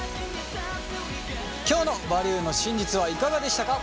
今日の「バリューの真実」はいかがでしたか？